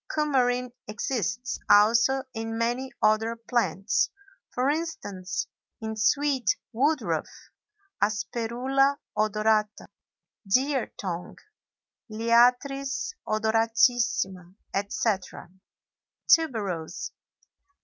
Coumarin exists also in many other plants, for instance, in sweet woodruff (Asperula odorata), deer tongue (Liatris odoratissima), etc. TUBEROSE.